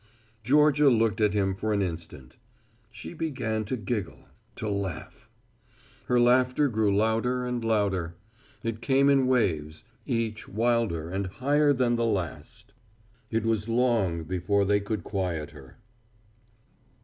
Georgia looked at him for an instant, she began to giggle, to laugh. Her laughter grew louder and louder. It came in waves, each wilder and higher than the last. [Illustration: Georgia Laughed.] It was long before they could quiet her.